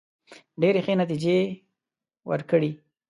ډېري ښې نتیجې وورکړې.